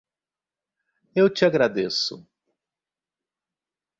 Eu te agradeço.